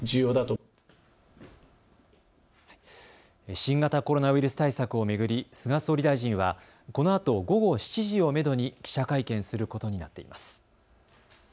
新型コロナウイルス対策を巡り菅総理大臣は、このあと午後７時をめどに記者会見することになっています。